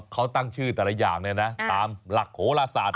เขาตั้งชื่อแต่ละอย่างเลยนะตามหลักโหลศาสตร์